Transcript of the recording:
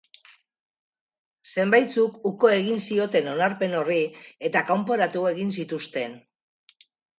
Zenbaitzuk uko egin zioten onarpen horri eta kanporatu egin zituzten.